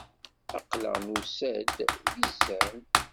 Aql-aɣ nusa-d di zzan.